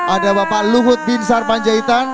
ada bapak luhut bin sar panjaitan